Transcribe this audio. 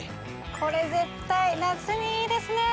これ絶対夏にいいですね！